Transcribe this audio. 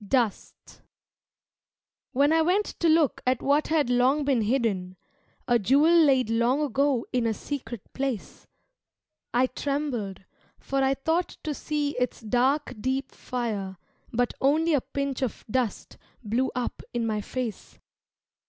Dust When I went to look at what had long been hidden, A jewel laid long ago in a secret place, I trembled, for I thought to see its dark deep fire But only a pinch of dust blew up in my face.